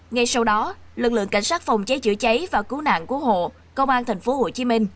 ngay sau đó lực lượng cảnh sát phòng cháy chữa cháy và cứu nạn cứu hộ công an tp hcm